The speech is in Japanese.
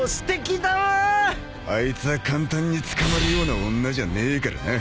［あいつは簡単に捕まるような女じゃねえからな］